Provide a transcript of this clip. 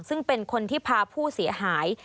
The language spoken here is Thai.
ซึ่งเป็นคนที่พาผู้เสียหาย